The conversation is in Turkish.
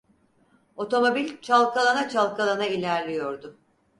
Otomobil çalkalana çalkalana ilerliyordu.